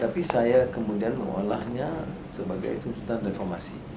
tapi saya kemudian mengolahnya sebagai tuntutan reformasi